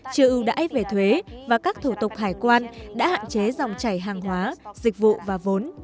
trừ ưu đãi về thuế và các thủ tục hải quan đã hạn chế dòng chảy hàng hóa dịch vụ và vốn